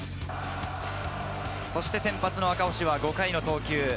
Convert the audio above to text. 先発の赤星は５回の投球。